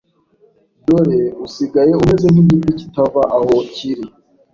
Dore usigaye umeze nk’igiti kitava aho kiri,